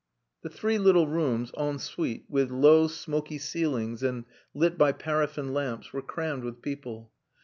The three little rooms en suite, with low, smoky ceilings and lit by paraffin lamps, were crammed with people.